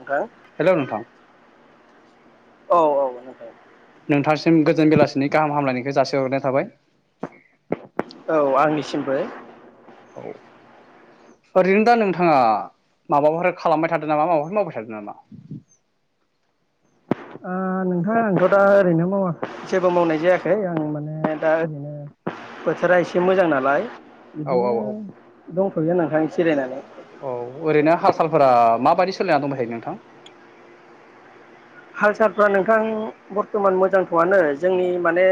नोंथां हेलौ नोंथां औ औ इनिफ्राय। नोंथांसिम गोजोन बेलासिनि गाहाम हामलायनायखौ जासिहरग्रोनाय थाबाय। औ आंनि सिमबो औ ओरैनो दा नोंथाङा माबाफोर खालामबाय थादों नामा माबाफोर मावबाय थादों नामा? नोंथाङा आंथ दा ओरैनो मावा जेबो मावनाय जायाखै आं माने दा ओरैनो बोथोरा एसे मोजां नालाय औ औ बिदिनो औ दंथयो नोंथां जिरायनानै। औ ओरैनो हाल सालफोरा माबायदि सोलिनानै दं नोंथां? हाल सालफ्रा नोंथां बर्थमान मोजांथआनो जोंनि माने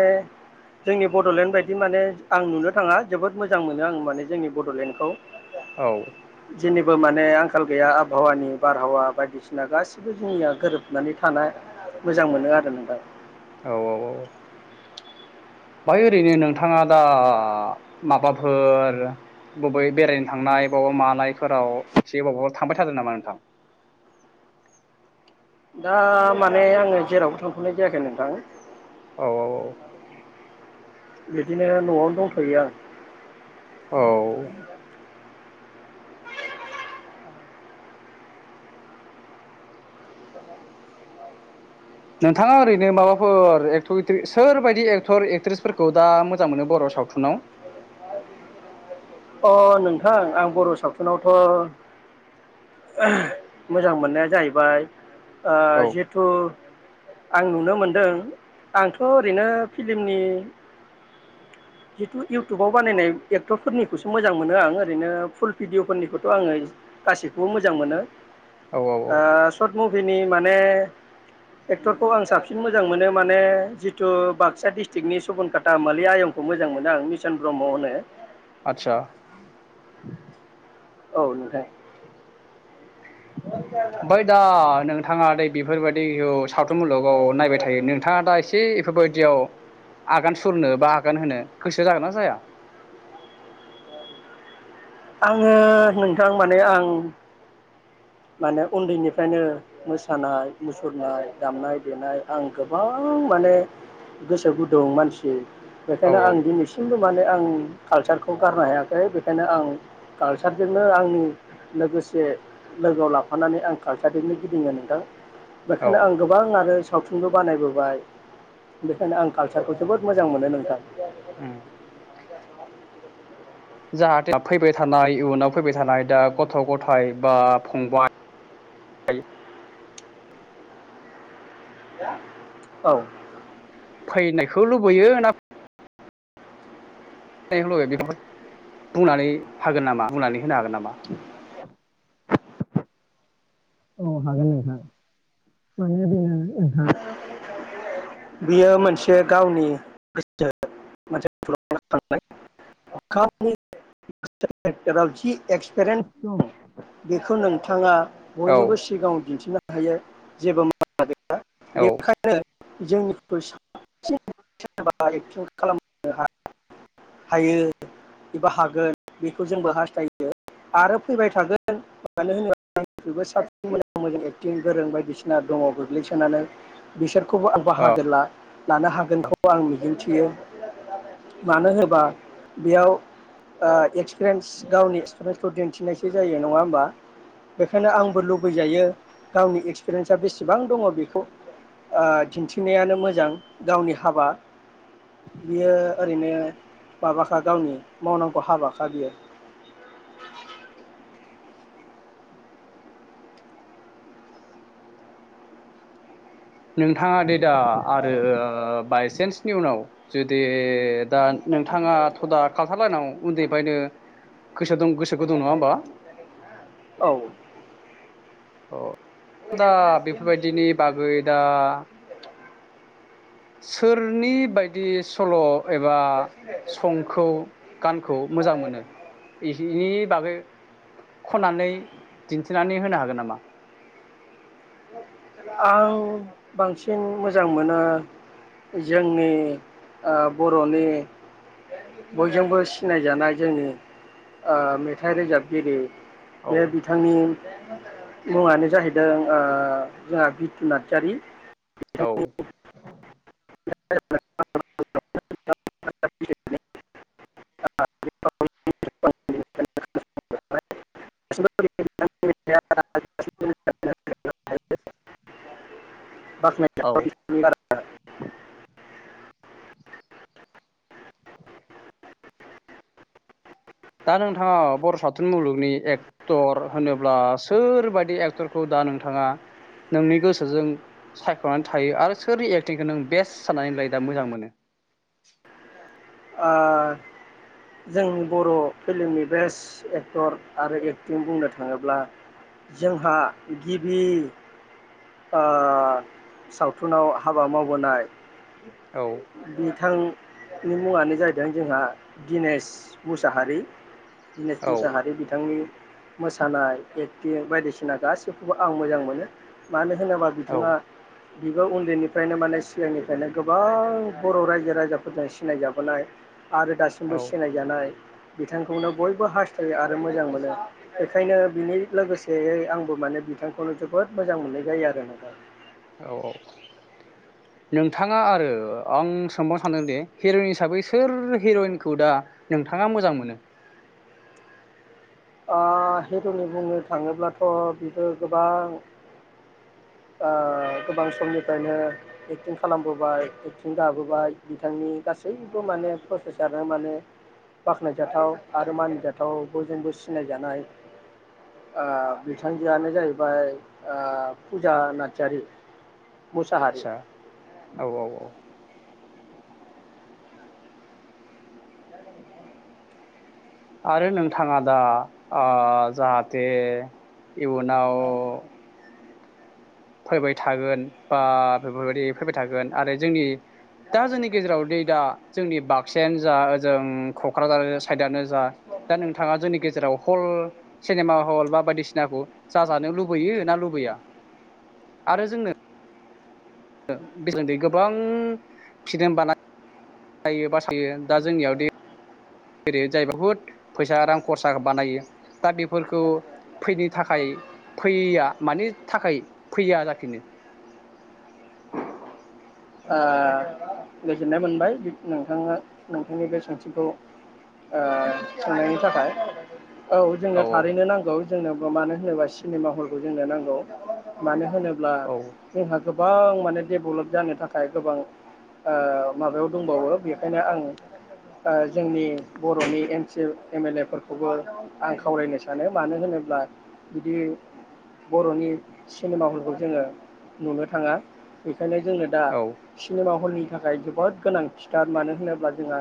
जोंनि बडलेण्ड बायदि माने आं नुनो थाङा जोबोद मोजां मोनो आं माने जोंनि बडलेण्डखौ। औ। बो माने आंखाल गैया आबहावानि बारहावा बायदिसिना गासिबो जोंनिया गोरोबनानै थाना मोजां मोनो आरो नोंथां। औ औ औ बेहाय ओरैनो नोंथाङा दा माबाफोर बबेबा बेरायनो थांनाय बबावबा मानायफोराव एसे बबावबा थांबाय थादों नामा नोंथां। दा माने आंङो जेरावबो थांथनाय जायाखै नोंथां। औ औ औ। बिदिनो नआवनो दंथयो आं। [inaudible] औ नोंथाङा ओरैनो माबाफोर एक्टर एकट्रि सोरबायदि एक्टर एक्ट्रिसफोरखौ दा मोजां मोनो बर सावथुनाव? अ नोंथां आं बर सावथुनावथ मोजां मोननाया जाहैबाय ओ औ जिहेथु आं नुनो मोनदों आंथ ओरैनो फिल्मनि जिथु इउटुबाव बानायनाय एक्टरफोरनि खौसो मोजां मोनो आं ओरैनो फुल भिडिअ फोरनिखौथ आङो गासैखौबो मोजां मोनो। औ औ औ ओ सर्ट मुबि बिनि माने। एक्टरखौ आं साबसिन मोजां मोनो। माने जिथु बाक्सा डिस्टिक्टनि सुबुनकाटा मालि आयंखौ मोजां मोनो आं मिसन ब्रह्म होनो। आतसा। औ नोंथां। बाय दा नो थाङादै बेफोरबायदि औ‌ सावथुन मुलुगाव नायबाय थायो नोंथाङा दा एसे एफोरबायदियाव आगान सुरनो बा आगान होनो गोसो जागोनना जाया? आङो नोंथां माने आं माने उन्दैनिफ्रायनो मोसानाय मुसुरनाय दामनाय देनाय आं गोबां माने गोसो गुदुं मानसि। औ बेखायनो आं दिनैसिमबो। माने आं कालसारखौ गारनो हायाखै बेखायनो आं कालसारजोंनो आंनि लोगोसे लोगोआव लाफानानै आं कालसारजोंनो गिदिङो नोंथां। औ बेखायनो आं गोबां आरो। सावथुनबो बानायबोबाय बेखायनो आं कालसारखौ जोबोद मोजां मोनो नोंथां। उम [unintelligible] जाहाथे फैबाय थानाय इयुनाव फैबाय थानाय दा गथ गथाय बा फंबाय। औ फैनायखौ लुबैयो ना [unintelligible] बुंनानै हागोन नामा बुंनानै होनो हागोन नामा? औ हागोन नोंथां माने बियो ओ बियो मोनसे गावनि गोसोनि मोनसे थुलुंगाखांनाय हरखाबै [unintelligible] जेरावखि एक्सपिरियेन्स दं बेखौ नोंथाङा औ बयनोबो सिगाङाव दिन्थिनां हायो जेबो [inaudible] औ बेखायनो जोंनि साबसिन सोरबा [unintelligible] एक्टिं खालामनो हायो एबा हागोन बेखौ जोंबो हास्थायो आरो फैबाय थागोन मानो होनोबा [unintelligible] साबसिन मोजां मोजां एक्टिं गोरों बायदिसिना दङ गोग्लैसोनानै बिसोर खौ आं बाहागो ला लानो हागोनखौ आं मिजिंथि बियो मानो होनोबा बेयाव ओ एक्सपिरेन्स गावनि एक्सपिरियेन्सखौ दिन्थिनायसो जायो नङा होमबा? बेखायनो आंबो लुबैजायो गावनि एक्सपिरियेन्सा बेसेबां दङ बेखौ ओ दिन्थिनायानो मोजां गावनि हाबा बियो ओरैनो माबाखा गावनि मावनांगौ हाबाखा बियो। नोंथाङा दे दा आरो बायसेन्सनि उनाव जुदि दा नोंथाङा थ' दा खालथाल लायेनाव उन्दैफ्रायनो गोसो गोसो गुदुं नङा होमबा? औ अ दा बेफोरबायदिनि बागै दा सोरनि बायदि सल एबा सं खौ गानखौ मोजां मोनो बेनि बागै खननानै दिन्थिनानै होनो हागोन नामा आं बांसिन मोजां मोनो जोंनि ओ बरनि बयजोंबो सिनायजानाय जोंनि ओ मेथाइ रोजाबगिरि औ बे बिथांनि मुङानो जाहैदों ओ जोंहा बितु नार्जारि। औ [unintelligible] [unintelligible] ब औ [inaudible] दा नोंथाङा बर सावथुन मुलुगनि एक्टर होनोब्ला सोरबादि एक्टरखौ दा नोंथाङा नोंनि गोसोजों सायखनानै थायो आरो सोरनि एक्टिंखौ नों बेस्ट साननानै लायो दा मोजां मोनो? ओ जोंनि बर' फिल्मनि बेस्ट एक्टर आरो एक्टिं बुंनो थाङोब्ला जोंहा गिबि ओ सावथुनाव हाबा मावबोनाय औ थांनि मुङानो जाहैदों जोंहा दिनेश मुसाहारि। दिनेश औ मुसाहारि बिथांनि मोसानाय एक्टिं बायदिसिना गासिखौबो आं मोजां मोनो मानो होन होनोबा औ बिथाङा बेबो उन्दैनिफ्रायनो माने सिगांनिफ्रायनो गोबां बर रायजो राजाफोरजों सि सिनाय जाबोनाय आरो दासिमबो औ सिनायजानाय बिथांखौनो बयबो हास्थायो आरो मोजां मोनो बेखायनो बिनि लोगोसेयै आंबो माने बिथांखौनो जोबोद मोजां मोननाय जायो आरो नोंथां औ औ नोंथाङा आरो आं सोंबावनो सानदों दे हिरइन हिसाबै सोर हिरइनखौ दा नोंथाङा मोजां मोनो ओ हिरनि बुंनो थाङोब्लाथ बिबो गोबां ओ गोबां समनिफ्रायनो एक्टिं खालामबोबाय एक्टिं गाबोबाय बिथांनि गासैबो माने प्रसेसानो माने बाख्नायजाथाव आरो मानिजाथाव बयजोंबो सि सिनायजानाय ओ बिथांजोआनो जाहैबाय ओ फुजा नार्जारि मुसाहारि चा औ औ औ। आरो नोंथाङा दा ओ जाहाथे इयुनाव फैबाय थागोन बा बेफोरबायदि फैबाय थागोन आरो जोंनि दा जोंनि गेजेराव दै दा जोंनि बाक्सायानो जा ओजों कक्राझार साइदआानो जा दा नोंथाङा जोंनि गेजेराव हल सिनेमा हल बा बायदिसिनाखौ जाजानो लुबैयो ना लुबैया आरो जोंनो बेजों गोबां फिलिम [unintelligible] बानायायो बासायो दा जोंनियाव दे जेरै जाय बहुद फैसा रां खरसा बानायो दा बेफोरखौ फैनो थाखाय फैया मानि थाखाय फैया जाफिनो आ गोजोननाय मोनबाय नोंथाङा नोंथांनि बे सोंथिखौ सोंनायनि थाखाय औ जोंनो औ थारैनो नांगौ जोंनो अ मानो होनोबा सिनेमा हलखौ जोंनो नांगौ मानो होनोब्ला औ जों हाजब गोबां माने डेभेलप जानो थाखा ओ गोबां आ माबायाव दंबावो बेखायनो आङो ओ जोंनि बरनि M C M L A फोरफोरखौबो आं खावरायनो सानो मानो होनोब्ला बिदि बरनि सिनेमा हलखौ जोङो नुनो थाङा बेखायनो जोंनो दा औ सिनेमा हलनि थाखाय जोबोद गोनां थिथार मानो होनोब्ला जोंहा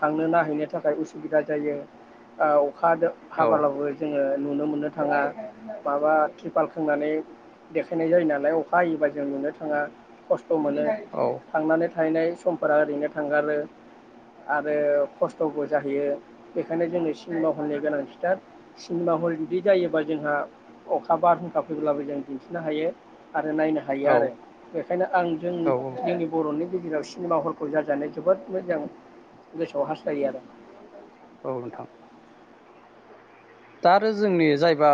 थांनो नायहैनो थाखाय उसुबिदा जायो आव फादो औ हाबालावबो जोङो नुनो मोननो थाङा माबा तिरपाल खोंनानै देखायनाय जायो नालाय अखा हायोबा जों नुनो थाङा खस्थ' मोनो औ थांनानै थाहैनाय समफोरा ओरैनो थांगारो आरो खस्थ'बो जाहैयो बेखायनो जोङो सिनिमा हलनि गोनांथिथार सिनिमा हल जुदि जायोबा जोंहा अखा बारहुंखा फैब्लाबो जों दिन्थिनो हायो । आरो नायनो हायो औ आरो बेखायनो आं जों औ बर'नि गेजेराव सिनेमा हलखौ जाजानो जोबोद मोजां गोसोआव हास्थायो आरो। औ नोंथां। दा रो जोंनि जायबा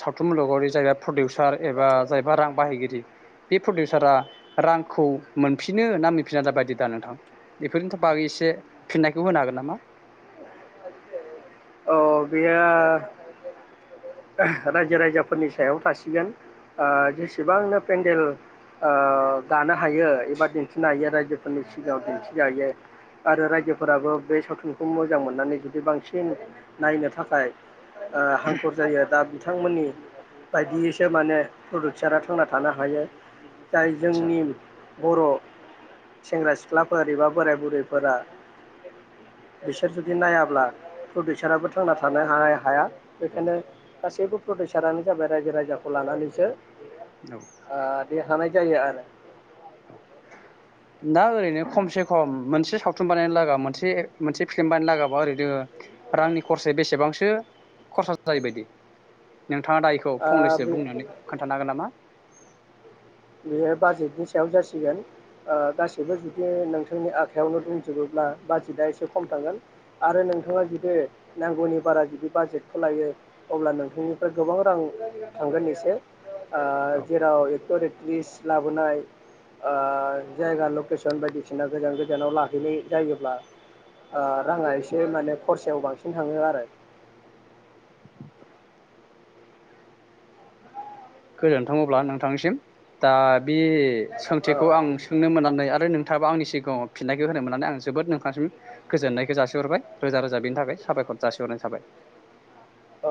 सावथुन मुलुगाव जायबा प्रडिउसार एबा जायबा रां बाहायगिरि बे प्रडिउसारा रांखौ मोनफिनो ना मोनफिना दाबायदि दा नोंथां बेफोरनि बागै एसे फिन्नायखौ होनो हागोन नामा? अ बेया रायजो राजाफोरनि सायाव थासिगोन आ जेसेबांनो पेन्डेल ओ गानो हायो एबा दिन्थिनो हायो रायजोफोरनि सिगाङाव दिन्थिनो हायो आरो रायजोफोराबो बे सावथुनखौ मोजां मोननानै जुदि बांसिन नायनो थाखाय ओ हांखुर जायो दाब बिथांमोननि बायदियैसो माने प्रडिउसारा थांना थानो हायो जाय आदसा जोंनि बर' सेंग्रा सिख्लाफोर एबा बोराइ बुरैफोरा बिसोर जुदि नायाब्ला प्रडिउसाराबो थांना थानो हा-हाया औ बेखायनो गासैबो प्रडिउसारानो जाबाय रायजो राजाखौ लानानैसो औ । दे हानाय जायो आरो दा ओरैनो खमसे खम मोनसे सावथुन बानायनो लागा मोनसे मोनसे फिलम बानायनो लागाबा ओरैनो रांनि खरसाया बेसेबांसो खरसा जायोबायदि? नोंथाङा दा इखौ ओ फंनैसो बे बुंनानै खोन्थानो हागोन नामा? बेयो बाजेटनि सायाव जासिगोन ओ गासैबो जुदि नोंथांनि आखाइायावनो दंजोबोब्ला बाजेटआ एसे खम थांगोन आरो नोंथाङा जुदि नांगौनि बारा जुदि बाजेटखौ लायो अब्ला नोंथांनिफ्राय गोबां रां थांगोन एसे आ जेराव ओरित ‌। लिस्ट लाबोनाय ओ जायगा लकेसन बायदिसिना गोजान गोजानाव लाहैनाय जायोब्ला ओ राङा एसे माने खरसायाव बांसिन थाङो आरो। गोजोनथाङोब्ला नोंथांनिसिम दा बे औ सोंथिखौ आं सोंनो मोननानै ओमफाय नोंथाङाबो आंनि सिगाङाव फिननायखौ होनो मोननानै आं जोबोद नोंथांसिम गोजोननायखौ जासिहरबाय रोजा रोजा बेनि थाखाय साबायखर जासिहरनाय थाबाय।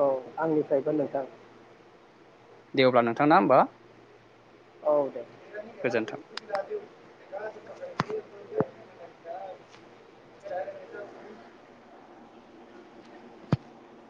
औ आंनिफ्रायबो नोंथां । दे अब्ला नोंथां ना होमबा औ दे गोजोन्थों।